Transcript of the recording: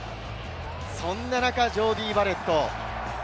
そんな中、ジョーディー・バレット。